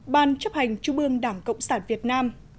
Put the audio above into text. ban chấp hành chú bương đảng cộng sản việt nam